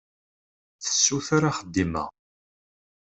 Tessuter axeddim-a.